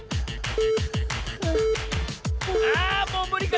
あもうむりか？